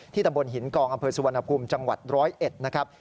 ตำบลหินกองอำเภอสุวรรณภูมิจังหวัด๑๐๑นะครับ